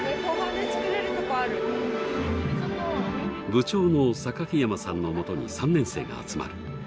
部長の榊山さんのもとに３年生が集まる。